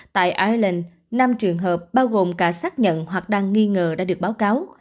tại ireland năm trường hợp bao gồm cả xác nhận hoặc đang nghi ngờ đã được báo cáo